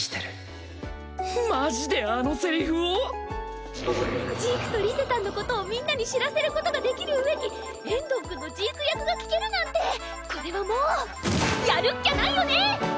愛してるジークとリゼたんのことをみんなに知らせることができるうえに遠藤くんのジーク役が聞けるなんてこれはもうやるっきゃないよね！